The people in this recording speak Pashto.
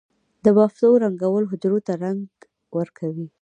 د بافتو رنگول حجرو ته رنګ ورکوي.